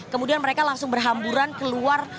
kemudian mereka langsung berhamburan keluar